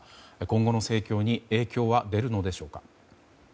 今後の戦況に影響は出るのでしょうか。